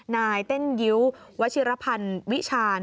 นายเต้นยิ้ววัชิรพันธ์วิชาญ